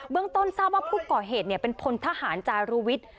เบื้องต้นทราบว่าผู้ก่อเหตุเนี่ยเป็นพลทหารจารุวิทย์